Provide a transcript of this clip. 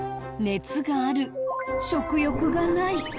熱がある食欲がない。